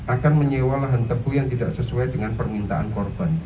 akan menyewa lahan tebu yang tidak sesuai dengan permintaan korban